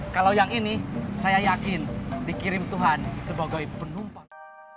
kalau yang ini saya yakin dikirim tuhan sebagai penumpang